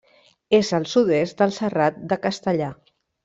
És al sud-est del Serrat de Castellar.